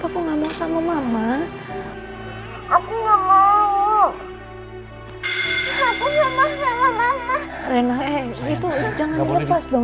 karena dia mulai ketyoung